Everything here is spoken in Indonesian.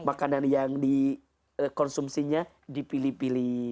makanan yang dikonsumsinya dipilih pilih